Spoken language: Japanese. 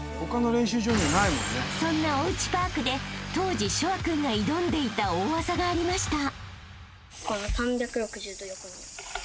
［そんなおうちパークで当時翔海君が挑んでいた大技がありました］